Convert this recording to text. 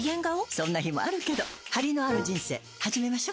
そんな日もあるけどハリのある人生始めましょ。